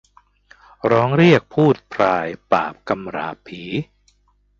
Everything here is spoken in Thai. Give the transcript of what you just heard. ร้องเรียกภูตพรายปราบกำราบผี